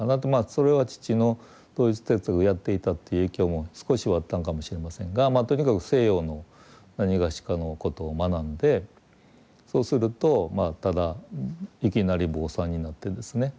それは父のドイツ哲学をやっていたっていう影響も少しはあったんかもしれませんがとにかく西洋のなにがしかのことを学んでそうするとただいきなり坊さんになってですね